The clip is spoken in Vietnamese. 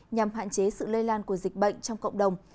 nhằm hạn chế sự lây lan của dịch bệnh trong cộng đồng